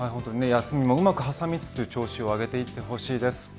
休みもうまく挟みつつ調子を上げていってほしいです。